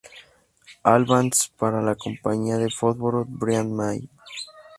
Albans para la compañía de fósforos Bryant May.